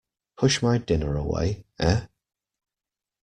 Push my dinner away, eh?